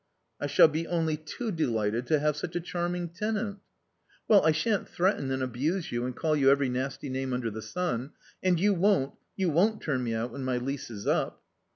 "I shall be only too delighted to have such a charming tenant." "Well, I shan't threaten and abuse you and call you every nasty name under the sun. And you won't, you won't turn me out when my lease is up?"